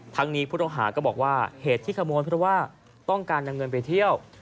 นี้ผู้ต้องหาก็บอกว่าเหตุที่ขโมยเพราะว่าต้องการนำเงินไปเที่ยว